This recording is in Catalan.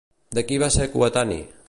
De qui va ser coetani?